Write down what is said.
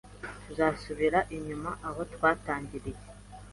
tuzasubira inyuma aho twatangiriye!